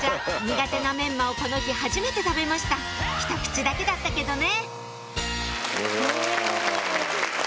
苦手なメンマをこの日はじめて食べましたひと口だけだったけどね！